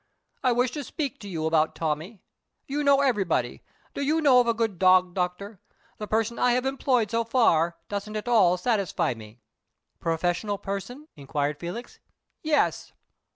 "I wish to speak to you about Tommie. You know everybody. Do you know of a good dog doctor? The person I have employed so far doesn't at all satisfy me." "Professional person?" inquired Felix. "Yes."